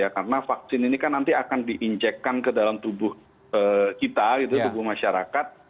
karena vaksin ini kan nanti akan diinjekkan ke dalam tubuh kita tubuh masyarakat